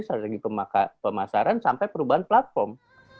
strategi pemasaran sampai perubahan platform